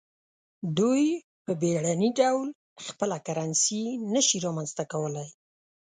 دوی په بیړني ډول خپله کرنسي نشي رامنځته کولای.